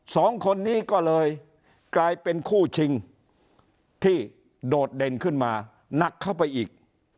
สองคนนี้ก็เลยกลายเป็นคู่ชิงที่โดดเด่นขึ้นมาหนักเข้าไปอีก